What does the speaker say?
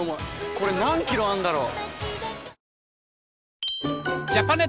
これ何ｋｇあんだろう？